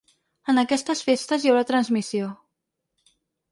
En aquestes festes hi haurà transmissió.